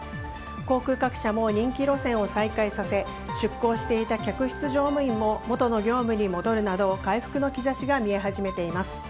航空各社も人気路線を再開させ出向していた客室乗務員ももとの業務に戻るなど回復の兆しが見え始めています。